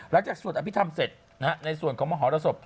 แล้วจากสวดอภิษฐรรมเสร็จในส่วนของมหรศพ